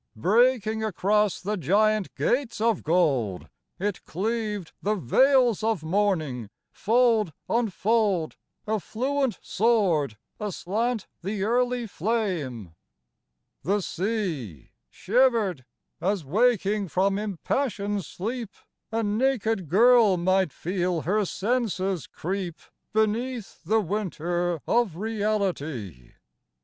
Breaking across the giant gates of gold It cleaved the veils of morning fold on fold, A fluent sword aslant the early flame. The sea Shivered, as waking from impassioned sleep A naked girl might feel her senses creep Beneath the winter of reality.